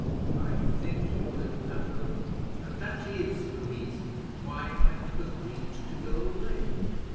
"I think you will, Pablo, and that is the reason why I have agreed to go away.